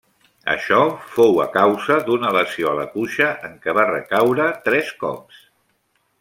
Això fou a causa d'una lesió a la cuixa en què va recaure tres cops.